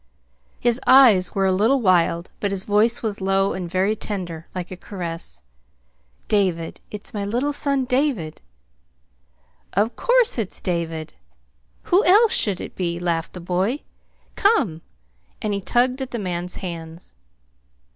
His eyes were a little wild, but his voice was low and very tender, like a caress. "David it's my little son David!" "Of course it's David! Who else should it be?" laughed the boy. "Come!" And he tugged at the man's hands.